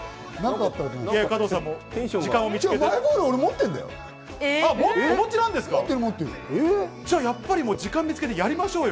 マイボール、俺、持ってんのじゃあ、やっぱり時間見つけてやりましょうよ。